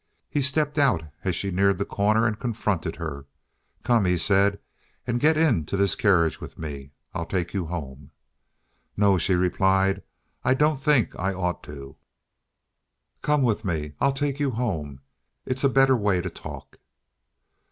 He stepped out as she neared the corner and confronted her. "Come," he said, "and get in this carriage with me. I'll take you home." "No," she replied. "I don't think I ought to." "Come with me. I'll take you home. It's a better way to talk."